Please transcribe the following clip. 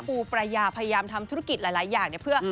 ปูประยาพยามทำธุรกิจหลายอย่างเพื่อ